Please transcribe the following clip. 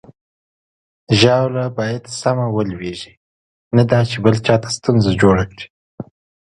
ژاوله باید سمه ولویږي، نه دا چې بل چاته ستونزه جوړه کړي.